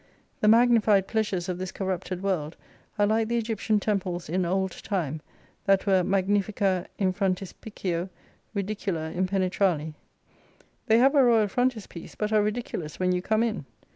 The magnified pleasures of this corrupted world, are like the Egyptian Temples in old time, that were Magnifica in frontispicio Ridicula in penetrali: They have a Royal frontispiece, but are ridiculous when you come in.